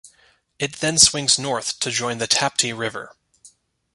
It then swings north to join the Tapti River.